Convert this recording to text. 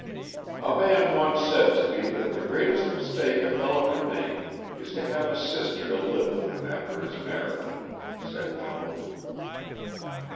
"A man once said to me that the greatest mistake a fellow can make is to have a sister to live with him after his marriage," said Jones.